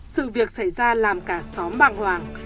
sự việc xảy ra làm cả xóm bạc hoàng